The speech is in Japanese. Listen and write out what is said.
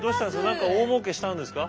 何か大もうけしたんですか？